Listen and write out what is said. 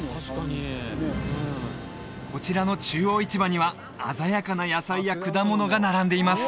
こちらの中央市場には鮮やかな野菜や果物が並んでいます